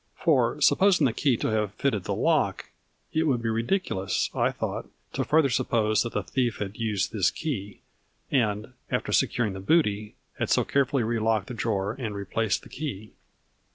For, supposing the key to have fitted the lock, it would be ridiculous, I thought, to further suppose that the thief had used this key, and, after securing the booty, had so carefully relocked the drawer and replaced the key.